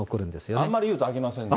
あんまり言うとあきまへん。